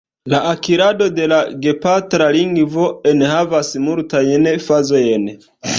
La akirado de la gepatra lingvo enhavas multajn fazojn.